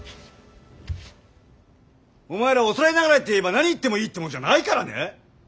お前ら「恐れながら」って言えば何言ってもいいってもんじゃないからね？